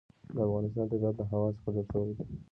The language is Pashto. د افغانستان طبیعت له هوا څخه جوړ شوی دی.